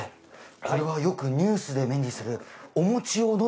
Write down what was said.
これはよくニュースで目にする